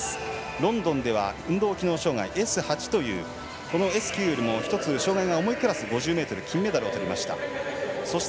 ロンドンでは運動機能障がいＳ８という、Ｓ９よりも１つ障がいが重いクラス５０ｍで金メダルをとりました。